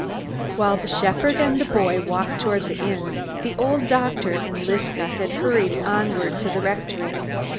While the shepherd and the boy walked toward the inn, the old doctor and Liska had hurried onward to the rectory.